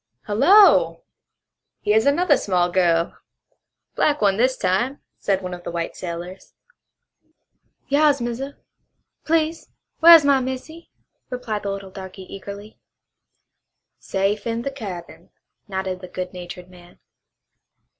"Hullo, here's another small girl. Black one this time," said one of the white sailors. "Yas, Massa! Please whar' is my missy?" replied the little darky eagerly. "Safe in the cabin," nodded the good natured man.